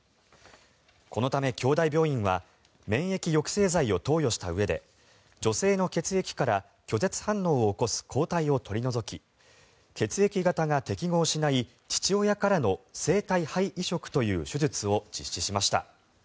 このため、京大病院は免疫抑制剤を投与したうえで女性の血液から拒絶反応を起こす抗体を取り除き血液型が適合しない父親からの生体肺移植という手術を実施しました。